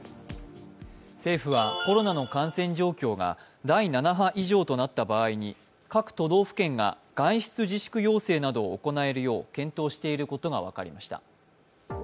政府はコロナの感染状況が第７波以上となった場合に各都道府県が外出自粛要請などを行えるよう検討していることが分かりました。